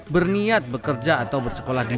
berniat bekerja atau bersekutu